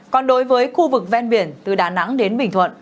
còn đối với khu vực ven biển từ đà nẵng đến bình thuận